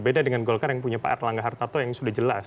beda dengan golkar yang punya pak erlangga hartarto yang sudah jelas